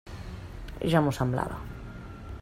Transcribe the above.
Ja m'ho semblava.